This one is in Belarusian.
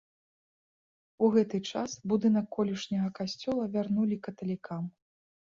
У гэты час будынак колішняга касцёла вярнулі каталікам.